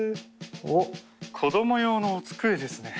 子ども用のお机ですね。